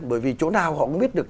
bởi vì chỗ nào họ cũng biết được